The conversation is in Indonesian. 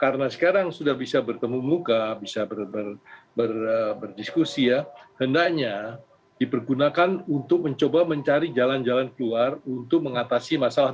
karena sekarang sudah bisa bertemu muka bisa berdiskusi ya hendaknya dipergunakan untuk mencoba mencari jalan jalan keluar untuk mengatasi masalah ya